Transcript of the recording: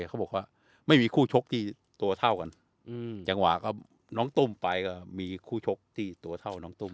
เขาบอกว่าไม่มีคู่ชกที่ตัวเท่ากันจังหวะก็น้องตุ้มไปก็มีคู่ชกที่ตัวเท่าน้องตุ้ม